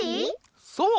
そう！